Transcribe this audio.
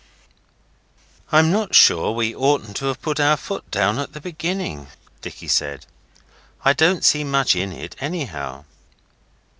'I'm not sure we oughtn't to have put our foot down at the beginning,' Dicky said. 'I don't see much in it, anyhow.